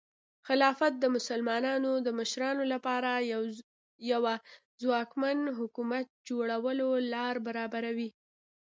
خلافت د مسلمانانو د مشرانو لپاره د یوه ځواکمن حکومت جوړولو لاره برابروي.